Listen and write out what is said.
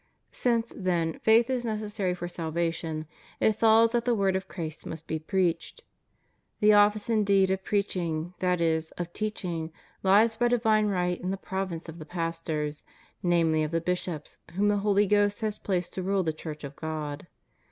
'^ Since, then, faith is necessary for salvation, it follows that the word of Christ must be preached. The office indeed of preaching, that is, of teaching, lies by divine right in the province of the pastors, namely of the bishops whom the Holy Ghost has placed to rule the Church of God?